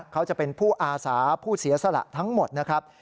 เขาจะเป็นผู้อาสาผู้เสียสละทั้งหมดนะครับ